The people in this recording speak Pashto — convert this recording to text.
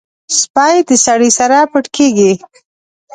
سپي د سړي سره پټ کېږي.